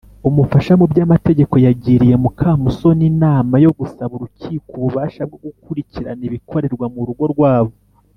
umufasha mu by’amategeko yagiriye mukamusoni inama yo gusaba urukiko ububasha bwo gukurikirana ibikorerwa mu rugo rwabo.